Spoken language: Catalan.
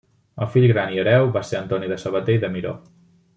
El fill gran i hereu va ser Antoni de Sabater i de Miró.